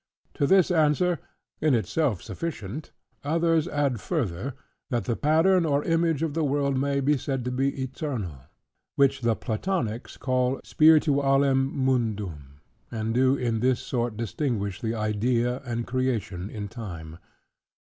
To this answer, in itself sufficient, others add further, that the pattern or image of the world may be said to be eternal: which the Platonics call "spiritualem mundum" and do in this sort distinguish the idea and creation in time.